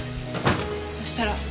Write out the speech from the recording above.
そしたら。